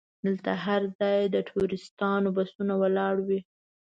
دلته هر ځای د ټوریستانو بسونه ولاړ وي.